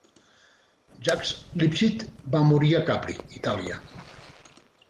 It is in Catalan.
Jacques Lipchitz va morir a Capri, Itàlia.